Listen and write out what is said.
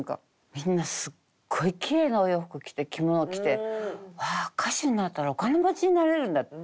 みんなすごいきれいなお洋服着て着物着てわあ歌手になったらお金持ちになれるんだって。